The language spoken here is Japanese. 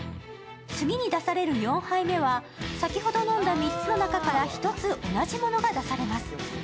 次に出される４杯目は先ほど飲んだ３つの中から１つ同じものが出されます。